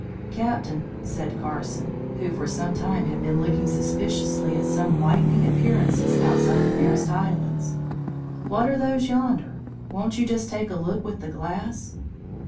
'Captain,' said Carson, who for sometime had been looking suspiciously at some whitening appearances outside the nearest islands, 'what are those yonder? won't you just take a look with the glass?'